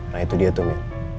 nah itu dia tuh